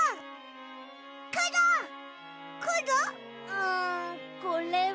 うんこれは。